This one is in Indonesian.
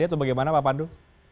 atau bagaimana pak pandu